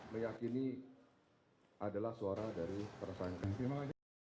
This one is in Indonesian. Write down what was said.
berita terkini mengenai cuaca ekstrem dua ribu dua puluh satu di jawa tengah